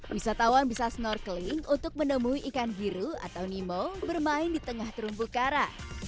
wisatawan bisa snorkeling untuk menemui ikan biru atau nemo bermain di tengah terumbu kara